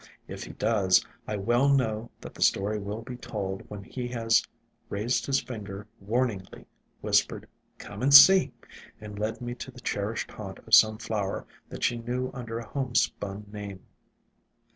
If he does, I well know that the story will be told when he has OAK LEAVED GERARDIA IN SILENT WOODS 113 raised his finger warningly, whispered "Come and see !" and led me to the cherished haunt of some flower that she knew under a homespun name.